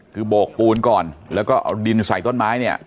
คือโบกปูนก่อนแล้วก็เอาดินใส่ต้นไม้เนี่ย